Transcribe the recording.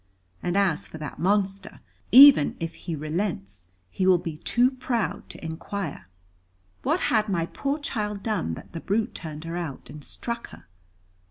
And as for that monster, even if he relents, he will be too proud to inquire." "What had my poor child done, that the brute turned her out, and struck her?"